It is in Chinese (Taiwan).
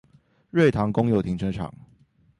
瑞塘公有停車場